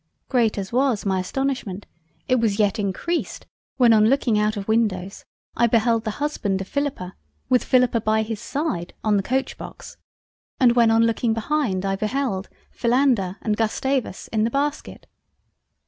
Great as was my astonishment, it was yet increased, when on looking out of Windows, I beheld the Husband of Philippa, with Philippa by his side, on the Coachbox and when on looking behind I beheld, Philander and Gustavus in the Basket.